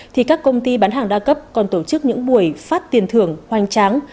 thì các công ty bán hàng đa cấp còn tổ chức những buổi phát tiền thưởng hoành tráng